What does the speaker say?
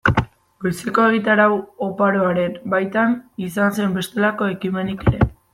Goizeko egitarau oparoaren baitan, izan zen bestelako ekimenik ere.